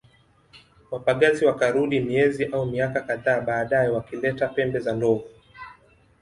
Wapagazi wakarudi miezi au miaka kadhaa baadae wakileta pembe za ndovu